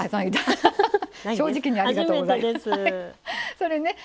それね